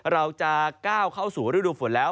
เราจะก้าวเข้าสู่ฤดูฝนแล้ว